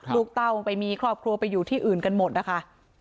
เต้าไปมีครอบครัวไปอยู่ที่อื่นกันหมดนะคะ